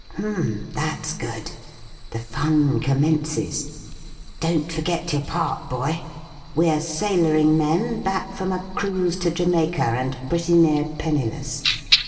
"H'm. That's good. The fun commences. Don't forget your part, boy. We're sailoring men back from a cruise to Jamaica and pretty near penniless.